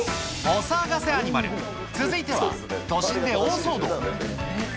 お騒がせアニマル、続いては都心で大騒動。